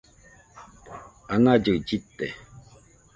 anallɨ llɨte